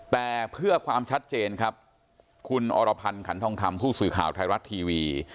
แต่เพื่อความชัดเจนครับคุณอรพันธ์ขันทองคำผู้สื่อข่าวไทยรัฐทีวี